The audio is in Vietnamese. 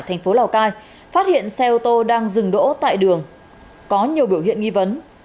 thành phố lào cai phát hiện xe ô tô đang dừng đỗ tại đường có nhiều biểu hiện nghi vấn